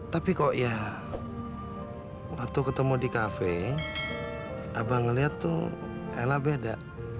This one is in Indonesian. tapi kok ya waktu ketemu di kafe abang ngelihat tuh ella beda